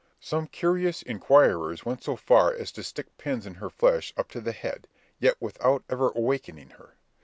Some curious inquirers went so far as to stick pins in her flesh up to the head, yet without ever awaking her.